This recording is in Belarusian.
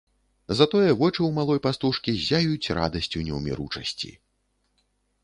Затое вочы ў малой пастушкі ззяюць радасцю неўміручасці.